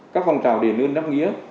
các phòng trào đề nâng đáp nghĩa